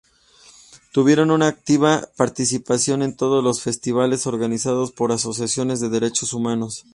Tuvieron una activa participación en todos los festivales organizados por asociaciones de derechos humanos.